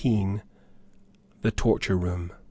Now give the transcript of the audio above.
THE TORTURE ROOM.